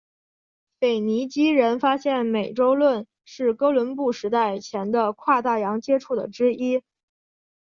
腓尼基人发现美洲论是哥伦布时代前的跨大洋接触的之一。